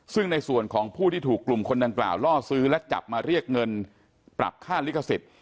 ซึ่งในส่วนของผู้ที่ถูกกลุ่มคนดังกล่าวล่อซื้อและจับมาเรียกเงินปรับค่าลิขสิทธิ์